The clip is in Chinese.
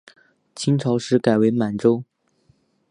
清朝时改为满洲。